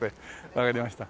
わかりました。